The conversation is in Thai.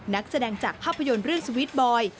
นักแสดงจากภาพยนตร์เรื่องสวีทบอย